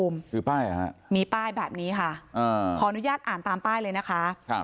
มีป้ายแบบนี้ค่ะขออนุญาตอ่านตามป้ายเลยนะคะ